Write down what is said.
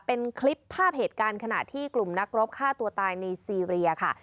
เป็นคลิปภาพเหตุการณ์ขณะที่กลุ่มนักรบฆ่าตัวตายในซีเรียค่ะ